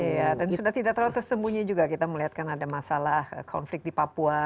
iya dan sudah tidak terlalu tersembunyi juga kita melihatkan ada masalah konflik di papua